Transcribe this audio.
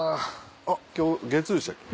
あっ今日月曜でしたっけ？